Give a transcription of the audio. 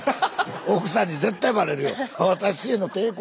奥さんに絶対バレるよ。